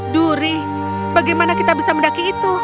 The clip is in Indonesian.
duri bagaimana kita bisa mendaki itu